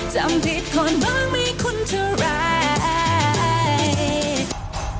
จำผิดคนบ้างไม่คุ้นเท่าไร